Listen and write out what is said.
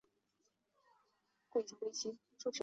树火纪念纸博物馆管理。